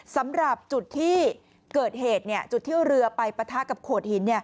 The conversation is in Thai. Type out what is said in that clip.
สำหรับจุดที่เกิดเหตุจุดที่เรือไปปะทะกับโขดหิน